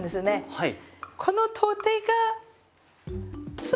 はい。